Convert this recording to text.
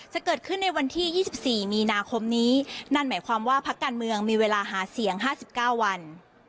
จะเกิดขึ้นในวันที่๒๔มีนาคมนี้นั่นหมายความว่าพักการเมืองมีเวลาหาเสียง๕๙วัน